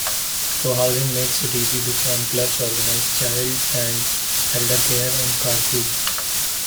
Cohousing makes it easy to form clubs, organize child and elder care, and carpool.